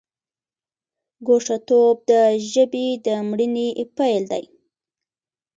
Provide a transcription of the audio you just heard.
ګوښه توب د ژبې د مړینې پیل دی.